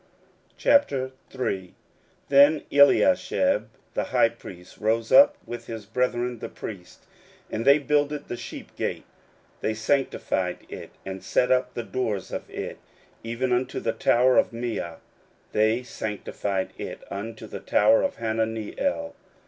16:003:001 Then Eliashib the high priest rose up with his brethren the priests, and they builded the sheep gate; they sanctified it, and set up the doors of it; even unto the tower of Meah they sanctified it, unto the tower of Hananeel.